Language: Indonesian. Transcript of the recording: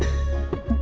yang jangan lovely